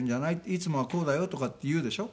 「いつもはこうだよ」とかって言うでしょ？